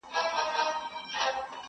انسانيت د پېښې تر سيوري للاندي ټپي کيږي،